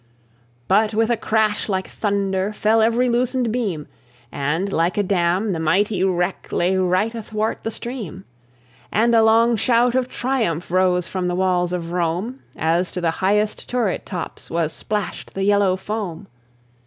But with a crash like thunder Fell every loosened beam, And, like a dam, the mighty wreck Lay right athwart the stream; And a long shout of triumph Rose from the walls of Rome, As to the highest turret tops Was splashed the yellow foam.